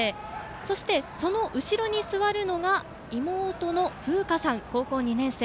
そして、その後ろに座るのが妹のふうかさん、高校２年生。